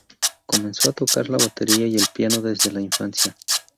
Comenzó a tocar la batería y el piano desde la infancia.